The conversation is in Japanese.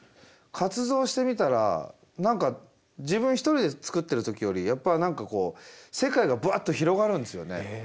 活動してみたら何か自分一人で作ってる時よりやっぱり何かこう世界がブワッと広がるんですよね。